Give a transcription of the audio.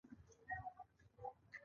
ډیټا انالیسز د معلوماتو ارزونه کوي.